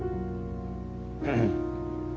うん。